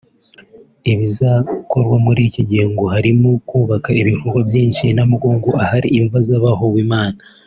Ibizakorwa muri iki gihe ngo harimo kubaka ibikorwa byinshi i Namugongo ahari imva z’abahowe Imana